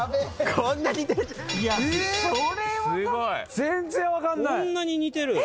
こんなに似てる？